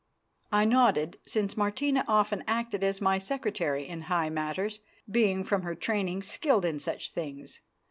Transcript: '" I nodded, since Martina often acted as my secretary in high matters, being from her training skilled in such things.